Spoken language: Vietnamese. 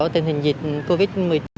tình hình dịch covid một mươi chín